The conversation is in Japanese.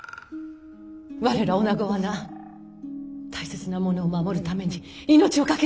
我らおなごはな大切なものを守るために命を懸けるんです。